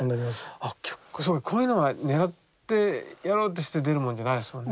こういうのは狙ってやろうとして出るもんじゃないですもんね。